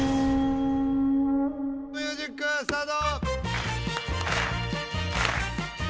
ミュージックスタート！